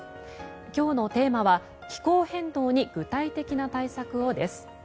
今日のテーマは「気候変動に具体的な対策を」です。